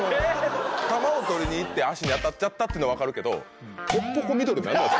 球を取りに行って足に当たっちゃたっていうの分かるけど、へっぽこミドル。